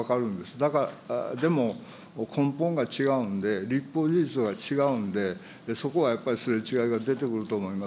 だから、でも、根本が違うんで、立法事実が違うんで、そこはやっぱりすれ違いが出てくると思います。